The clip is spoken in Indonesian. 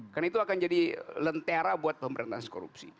karena itu akan jadi lentera buat pemberantasan korupsi